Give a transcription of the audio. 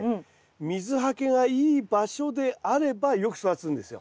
水はけがいい場所であればよく育つんですよ。